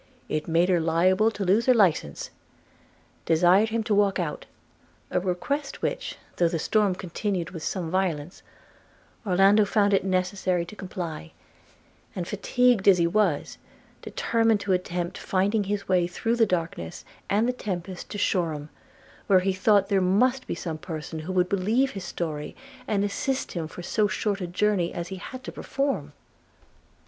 It made her liable to lose her license,' desired him to walk out: a request which, though the storm continued with some violence, Orlando found it necessary to comply; and, fatigued as he was, determined to attempt finding his way through the darkness and the tempest to Shoreham, where he thought there must be some person who would believe his story, and assist him for so short a journey as he had to perform.